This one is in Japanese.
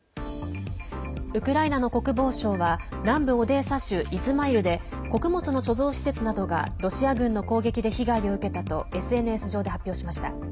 ウクライナの国防省は南部オデーサ州イズマイルで穀物の貯蔵施設などがロシア軍の攻撃で被害を受けたとＳＮＳ上で発表しました。